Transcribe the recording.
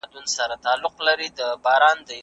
دا قلم له هغه ښه دی؟